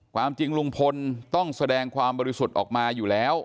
ความจริงลุงพลต้องแสดงความบริสุทธิ์ออกมาอยู่แล้ว